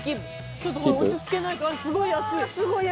ちょっと落ち着けないとすごい安い！